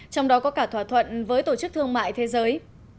trong đó có cả thỏa thuận với tổ chức thương mại thế giới